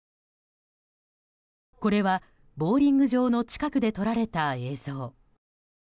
これはボウリング場の近くで撮られた映像。